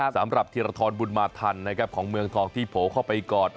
สำหรับธีรทรบุญมาทันของเมืองทองที่โผล่เข้าไปกอด